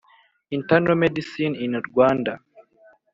internal medicine in Rwanda